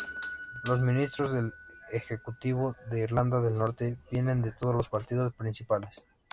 Los ministros del ejecutivo de Irlanda del Norte vienen de todos los partidos principales.